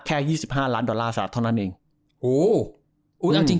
แค่๒๕ล้านดอลลาร์เท่านั้นเอง